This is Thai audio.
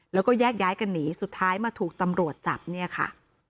แล้วก็แยกย้ายกันหนีสุดท้ายมาถูกตำรวจจับเนี่ยค่ะ